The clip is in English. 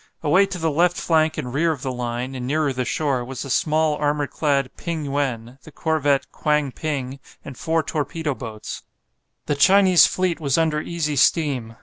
Away to the left flank and rear of the line, and nearer the shore, was the small, armour clad "Ping yuen," the corvette "Kwang ping," and four torpedo boats. The Chinese fleet was under easy steam.